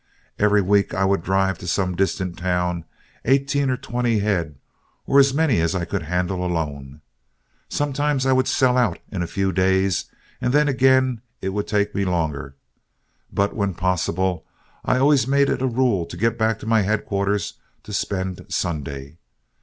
Every week I would drive to some distant town eighteen or twenty head, or as many as I could handle alone. Sometimes I would sell out in a few days, and then again it would take me longer. But when possible I always made it a rule to get back to my headquarters to spend Sunday.